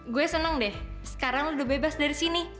gue senang deh sekarang udah bebas dari sini